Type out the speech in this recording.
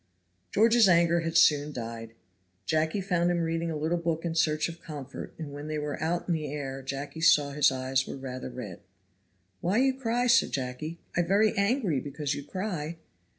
George's anger had soon died. Jacky found him reading a little book in search of comfort, and when they were out in the air Jacky saw that his eyes were rather red. "Why you cry?" said Jacky. "I very angry because you cry."